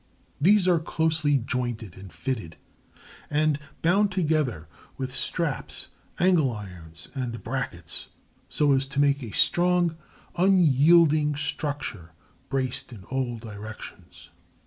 These are closely jointed and fitted, and bound together with straps, angle irons, and brackets, so as to make a strong unyielding structure braced in all directions.